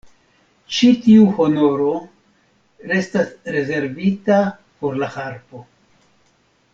Ĉi tiu honoro restas rezervita por la harpo.